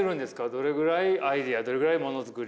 どれくらいアイデアどれくらいもの作り。